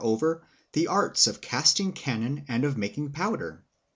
over, the arts of casting cannon and of making powder.